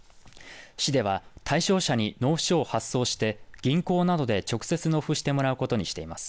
市では、対象者に納付書を発送して、銀行などで直接納付してもらうことにしています。